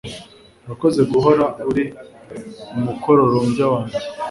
Urakoze guhora uri umukororombya wanjye